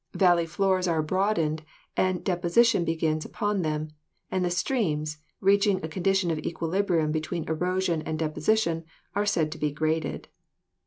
Valley floors are broadened and deposition begins upon them, and the streams, reaching a condition of equilibrium between erosion and deposition, are said to be graded.